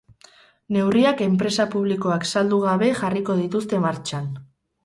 Neurriak enpresa publikoak saldu gabe jarriko dituzte martxan.